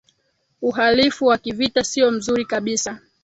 uhalifu wa kivita siyo mzuri kabisa